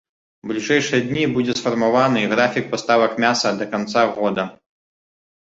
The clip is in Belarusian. У бліжэйшыя дні будзе сфармаваны графік паставак мяса да канца года.